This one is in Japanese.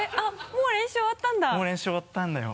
もう練習終わったんだよ。